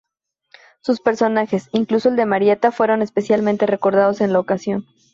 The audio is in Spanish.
Sus personajes, incluso el de Marieta, fueron especialmente recordados en la ocasión.